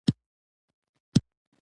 بزګران د سهار له وخته کار پیلوي.